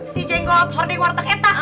si jenggot hording warna keta